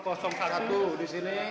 di sini dari nasdem